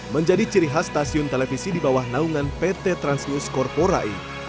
menjadi ciri khas stasiun televisi di bawah naungan pt transnews corpora e